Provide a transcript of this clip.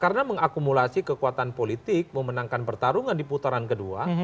karena mengakumulasi kekuatan politik memenangkan pertarungan di putaran kedua